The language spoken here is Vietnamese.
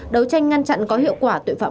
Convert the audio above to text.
đấu tranh ngăn chặn có hiệu quả tội phạm